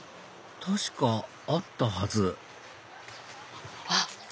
確かあったはずあっ！